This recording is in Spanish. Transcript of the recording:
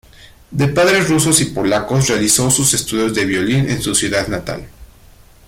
De padres rusos y polacos realizó sus estudios de violín en su ciudad natal.